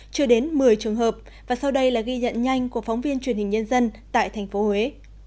chưa đến một mươi trường hợp và sau đây là ghi nhận nhanh của phóng viên truyền hình nhân dân tại tp huế